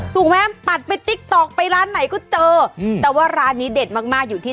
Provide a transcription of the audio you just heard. ถูกไหมปัดไปติ๊กต๊อกไปร้านไหนก็เจอแต่ว่าร้านนี้เด็ดมากมากอยู่ที่